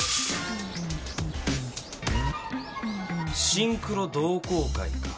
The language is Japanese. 「シンクロ同好会」か。